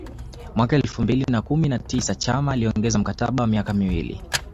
Mwaka elfu mbili na kumi na tisa Chama aliongeza mkataba wa miaka miwili